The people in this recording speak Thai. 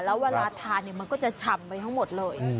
แล้วเวลาทานมันก็จะฉ่ำไปทั้งหมดเลย